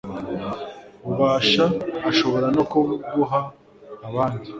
bubasha ashobora no kubuha abandi